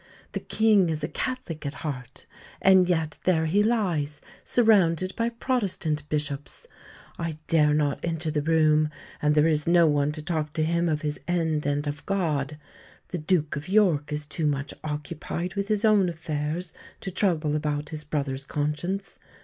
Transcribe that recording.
The King is a Catholic at heart, and yet there he lies surrounded by Protestant bishops. I dare not enter the room, and there is no one to talk to him of his end and of God. The Duke of York is too much occupied with his own affairs to trouble about his brother's conscience.